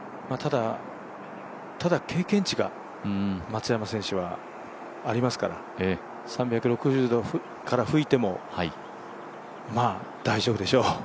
ただ、経験値が松山選手はありますから３６０度から吹いてもまあ大丈夫でしょう。